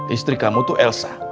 istri kamu tuh elsa